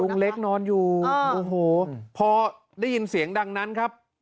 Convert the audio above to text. ลุงเล็กนอนอยู่โอ้โหพอได้ยินเสียงดังนั้นครับ